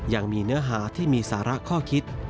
ยังมีเนื้อหาที่มีสาระข้อคิด